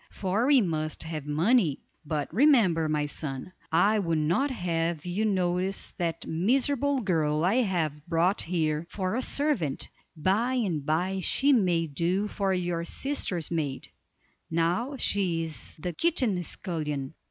For we must have money; but remember, my son, I would not have you notice that miserable girl I have brought here for a servant; by and by she may do for your sister's maid; now she is the kitchen scullion."